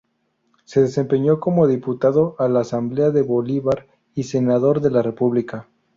Se desempeñó como diputado a la Asamblea de Bolívar y senador de la República.